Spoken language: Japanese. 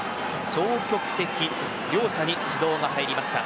消極的、両者に指導が入りました。